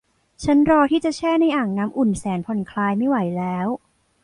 ฉันรอที่จะแช่ในอ่างน้ำอุ่นแสนผ่อนคลายไม่ไหวแล้ว